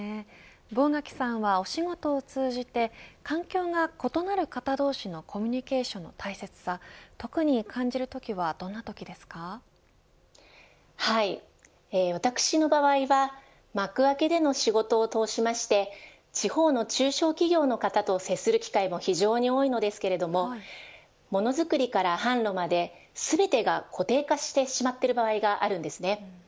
坊垣さんは、お仕事を通じて環境が異なる方同士のコミュニケーションの大切さ特に感じるときははい、私の場合はマクアケでの仕事を通しまして地方の中小企業の方と接する機会も非常に多いのですけれどもものづくりから販路まで全てが固定化してしまっている場合があるんですね。